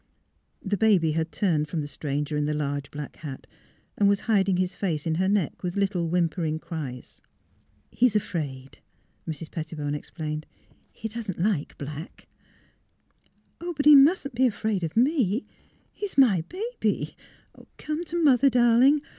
The baby had turned from the stranger in the large black hat and was hiding his face in her neck, with little whimpering cries. '* He is afraid," Mrs. Pettibone explained. ^* He doesn't like black." " Oh, but he mustn't be afraid of me! He's my baby. Come to mother, darling!